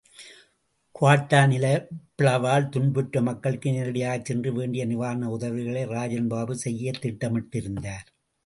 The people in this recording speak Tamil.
குவெட்டா நிலப்பிளவால் துன்புற்ற மக்களுக்கு நேரிடையாகச் சென்று வேண்டிய நிவாரண உதவிகளை ராஜன் பாபு செய்யத் திட்டமிட்டிருந்தார்.